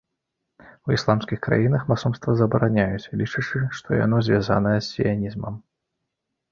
У ісламскіх краінах масонства забараняюць, лічачы, што яно звязанае з сіянізмам.